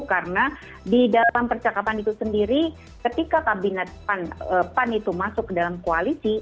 karena di dalam percakapan itu sendiri ketika kabinet pan itu masuk ke dalam koalisi